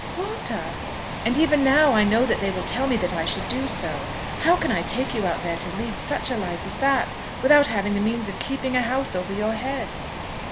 "Walter!" "And even now I know that they will tell me that I should do so. How can I take you out there to such a life as that without having the means of keeping a house over your head?"